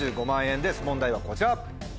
問題はこちら。